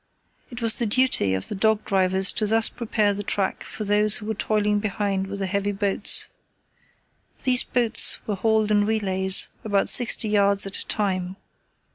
It was the duty of the dog drivers to thus prepare the track for those who were toiling behind with the heavy boats. These boats were hauled in relays, about sixty yards at a time.